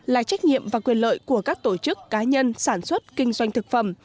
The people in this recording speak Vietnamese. là trách nhiệm và quyền lợi của các tổ chức cá nhân sản xuất kinh doanh thực phẩm